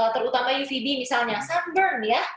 terutama uvb misalnya sunburn ya